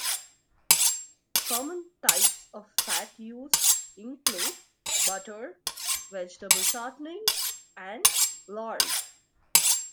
Common types of fat used include butter, vegetable shortenings, and lard.